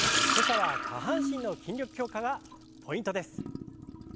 今朝は下半身の筋力強化がポイントです。